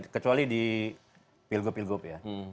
kecuali di pilgub pilgub ya